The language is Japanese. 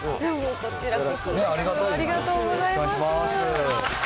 こちらこそです、ありがとうございます。